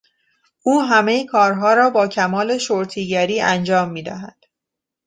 او همهی کارها را با کمال شورتیگری انجام میدهد.